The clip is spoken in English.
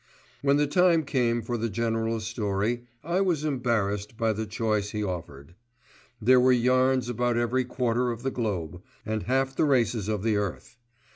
When the time came for the General's story I was embarrassed by the choice he offered. There were yarns about every quarter of the globe, and half the races of the earth.